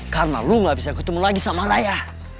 karena lu gak bisa ketemu lagi sama naya